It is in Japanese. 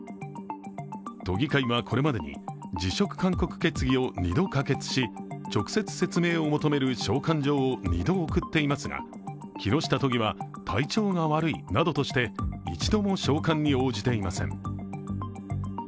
都議会はこれまでに辞職勧告決議を２度可決し直接説明を求める召喚状を２度送っていますが、木下都議は体調が悪いなどとして１度も召喚に応じていません。